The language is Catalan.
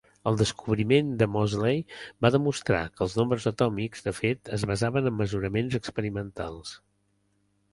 El descobriment de Moseley va demostrar que els nombres atòmics, de fet, es basaven en mesuraments experimentals.